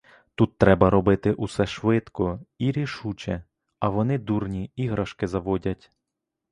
Тут треба робити усе швидко і рішуче, а вони дурні іграшки заводять.